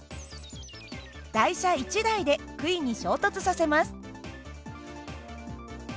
台車１台で杭に衝突させます。